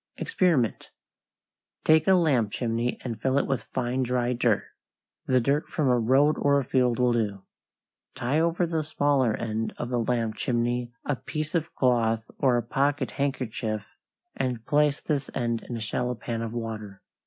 =EXPERIMENT= Take a lamp chimney and fill it with fine, dry dirt. The dirt from a road or a field will do. Tie over the smaller end of the lamp chimney a piece of cloth or a pocket handkerchief, and place this end in a shallow pan of water.